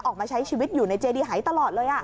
ออกมาใช้ชีวิตอยู่ในเจดีหายตลอดเลย